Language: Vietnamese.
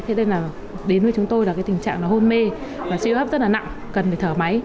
thế nên đến với chúng tôi là tình trạng hôn mê và suy hô hấp rất nặng cần phải thở máy